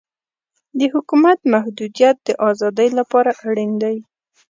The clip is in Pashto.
د حکومت محدودیت د ازادۍ لپاره اړین دی.